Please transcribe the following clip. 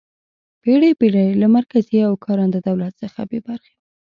پېړۍ پېړۍ له مرکزي او کارنده دولت څخه بې برخې وه.